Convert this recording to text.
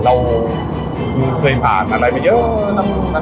เราเกิดขยะพากย์กันไปเยอะนะ